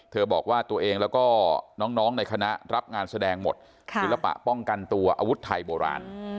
บอกว่าตัวเองแล้วก็น้องในคณะรับงานแสดงหมดศิลปะป้องกันตัวอาวุธไทยโบราณ